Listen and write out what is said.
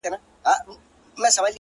o د اوښکو ټول څاڅکي دي ټول راټول کړه،